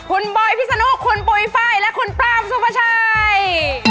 คุณบอยพี่สนุกคุณปุ๋ยฟ้ายและคุณปราบซุภาชัย